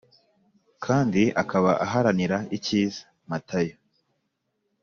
kandi akaba aharanira icyiza (Matayo :-)